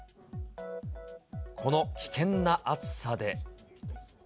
この危険な暑さで。